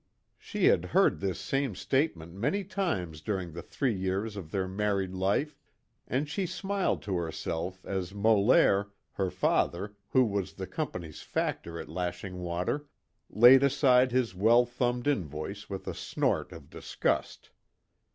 She had heard this same statement many times during the three years of their married life, and she smiled to herself as Molaire, her father, who was the Company's factor at Lashing Water, laid aside his well thumbed invoice with a snort of disgust.